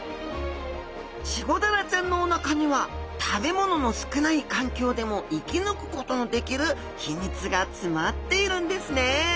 チゴダラちゃんのおなかには食べ物の少ない環境でも生き抜くことのできる秘密が詰まっているんですね